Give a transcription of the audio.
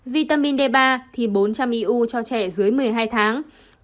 vitamin d ba thì bốn trăm linh iuu cho trẻ dưới một mươi hai tháng